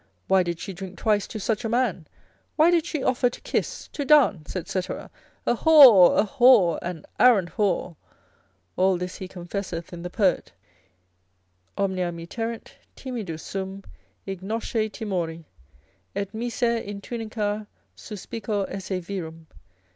why did she drink twice to such a man? why did she offer to kiss, to dance? &c., a whore, a whore, an arrant whore. All this he confesseth in the poet, Omnia me terrent, timidus sum, ignosce timori. Et miser in tunica suspicor esse virum.